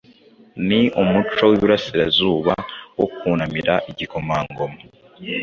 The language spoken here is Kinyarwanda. Ni umuco w’iburasirazuba wo kunamira igikomangoma